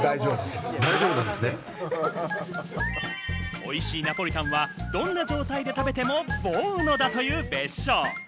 おいしいナポリタンはどんな状態で食べてもボーノだという別所。